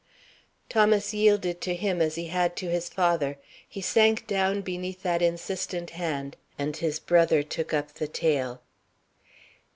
Thomas yielded to him as he had to his father. He sank down beneath that insistent hand, and his brother took up the tale.